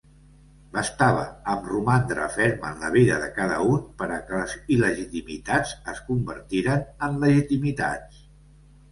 Bastava amb romandre ferm en la vida de cada un per a que les il·legitimitats es convertiren en legitimitats.